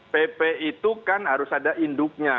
pp itu kan harus ada induknya